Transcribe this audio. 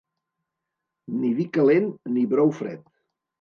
Ni vi calent ni brou fred.